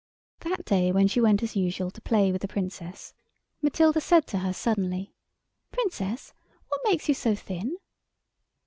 That day when she went, as usual, to play with the Princess, Matilda said to her suddenly, "Princess, what makes you so thin?"